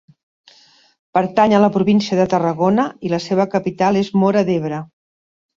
Pertany a la província de Tarragona i la seva capital és Móra d'Ebre.